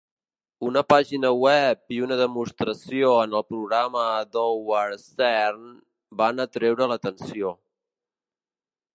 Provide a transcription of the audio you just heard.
Una pàgina web i una demostració en el programa d'Howard Stern van atreure l'atenció.